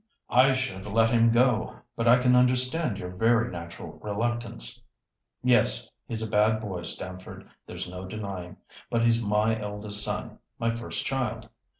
"I should have let him go, but I can understand your very natural reluctance." "Yes, he's a bad boy, Stamford, there's no denying. But he's my eldest son, my first child.